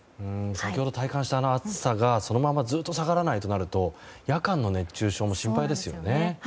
先ほど体感した暑さがそのまま下がらないとなると夜間の熱中症も心配ですよね。